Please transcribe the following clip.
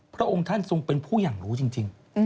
พระองค์ท่านทรงเป็นผู้อย่างรู้จริง